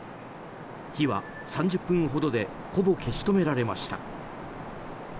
火は３０分ほどでほぼ消し止められました。